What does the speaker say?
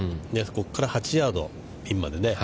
ここから８ヤード、ピンまでね。